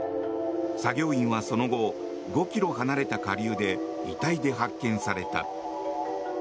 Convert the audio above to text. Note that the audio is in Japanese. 作業員はその後５ｋｍ離れた下流で遺体で発見された。